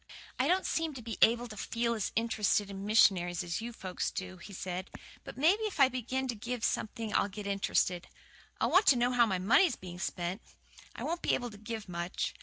"I don't seem to be able to feel as int'rested in missionaries as you folks do," he said, "but maybe if I begin to give something I'll get int'rested. I'll want to know how my money's being spent. I won't be able to give much.